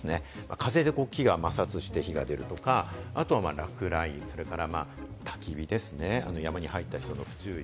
風で木が摩擦して被害が出るとか、あとは落雷、それから、たき火ですね、山に入った人の不注意。